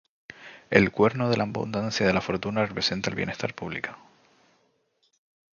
El cuerno de la abundancia de la fortuna representa el bienestar público.